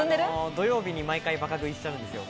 土曜日に毎回バカ食いしちゃうんですよ。